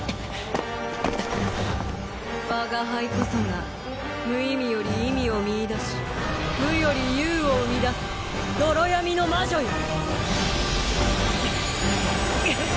我が輩こそが無意味より意味を見いだし無より有を生み出す泥闇の魔女よ！